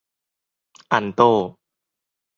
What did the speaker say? อัลโต้